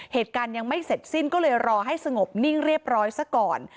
เหตุการณ์ยังไม่เสร็จสิ้นก็เลยรอให้สงบนิ่งเรียบร้อยซะก่อน